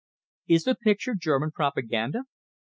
"Is the picture German propaganda?"